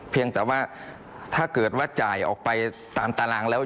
เพียงแต่ว่าถ้าเกิดว่าจ่ายออกไปตามตารางแล้ว